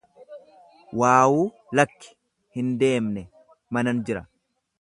Waawuu lakki, hin deemne manan jira!